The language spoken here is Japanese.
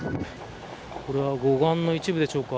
これは護岸の一部でしょうか。